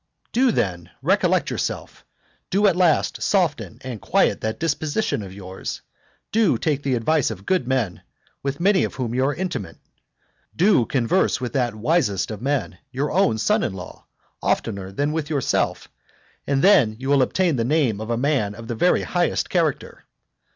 Do, then, recollect yourself, do at last soften and quiet that disposition of yours, do take the advice of good men, with many of whom you are intimate, do converse with that wisest of men, your own son in law, oftener than with yourself, and then you will obtain the name of a man of the very highest character.